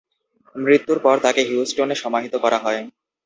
মৃত্যুর পর তাঁকে হিউস্টনে সমাহিত করা হয়।